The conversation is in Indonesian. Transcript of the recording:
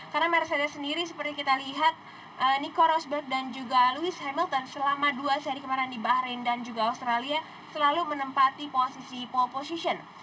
karena mercedes sendiri seperti kita lihat nico rosberg dan juga lewis hamilton selama dua seri kemarin di bahrain dan juga australia selalu menempati posisi pole position